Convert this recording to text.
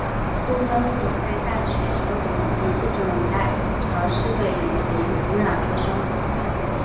部分物种在淡水生存及一种在潮湿的雨林土壤中生活。